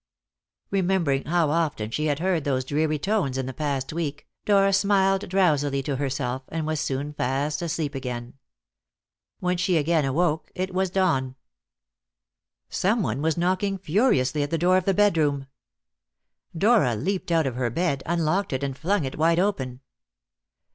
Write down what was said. Remembering how often she had heard those dreary tones in the past week, Dora smiled drowsily to herself, and was soon fast asleep again. When she again woke it was dawn. Someone was knocking furiously at the door of the bedroom. Dora leaped out of her bed, unlocked it, and flung it wide open.